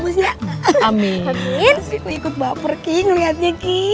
terima kasih ikut baperki ngeliatnya ki